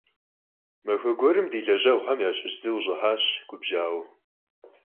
Maxue guerım di lejeğuxem yaşış zı khış'ıhaş, gubjaue.